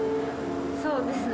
そうですね。